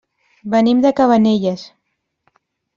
Venim de Cabanelles.